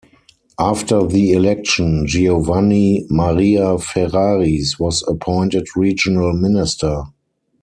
After the election, Giovanni Maria Ferraris was appointed regional minister.